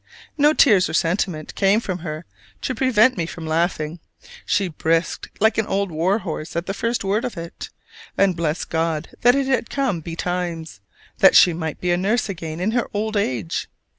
No tears or sentiment came from her to prevent me laughing: she brisked like an old war horse at the first word of it, and blessed God that it had come betimes, that she might be a nurse again in her old age!